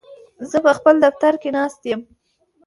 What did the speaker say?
زه په خپل دفتر کې ناست یم.